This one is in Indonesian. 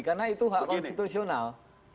karena itu hak konstitusional